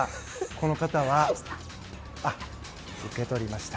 この方は。受け取りました。